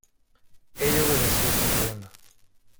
ella obedeció sonriendo.